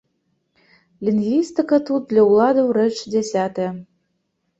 Лінгвістыка тут для ўладаў рэч дзясятая.